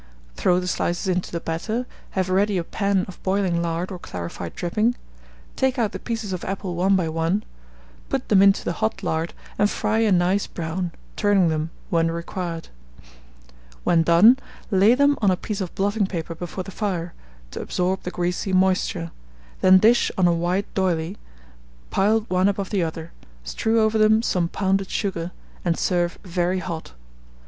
Throw the slices into the batter; have ready a pan of boiling lard or clarified dripping; take out the pieces of apple one by one, put them into the hot lard, and fry a nice brown, turning them when required. When done, lay them on a piece of blotting paper before the fire, to absorb the greasy moisture; then dish on a white d'oyley, piled one above the other; strew over them some pounded sugar, and serve very hot.